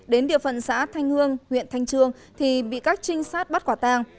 đến địa phận xã thanh hương huyện thanh trương thì bị các trinh sát bắt quả tang